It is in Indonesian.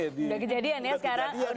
sudah kejadian sekarang